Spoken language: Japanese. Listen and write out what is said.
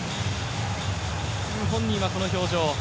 本人はこの表情。